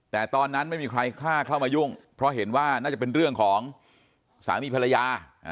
แต่ตอนนั้นไม่มีใครกล้าเข้ามายุ่งเพราะเห็นว่าน่าจะเป็นเรื่องของสามีภรรยา